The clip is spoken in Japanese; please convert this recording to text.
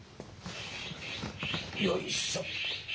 よいしょ！